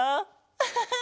アハハ！